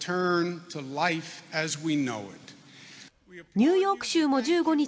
ニューヨーク州も１５日